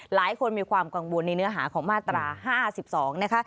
หลายคนมีความกังวลในเนื้อหาของมาตรา๕๒นะคะ